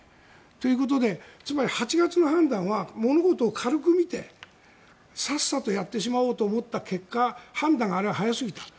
ということでつまり８月の判断は物事を軽く見てさっさとやってしまおうと思った結果判断があれは早すぎた。